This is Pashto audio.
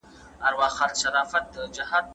حیا شاعري په انلاین ډول خپروي.